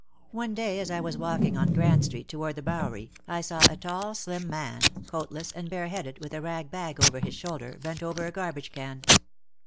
One day as I was walking on Grand Street toward the Bowery, I saw a tall, slim man, coatless and bare headed, with a rag bag over his shoulder, bent over a garbage can.